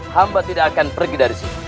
hamba tidak akan pergi dari sini